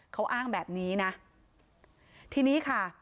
เขาอ้างแบบนี้นะทีนี้ค่ะ